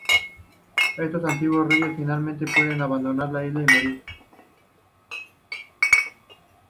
Estos antiguos reyes finalmente pueden abandonar la isla y morir.